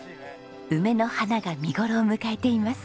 梅の花が見頃を迎えています。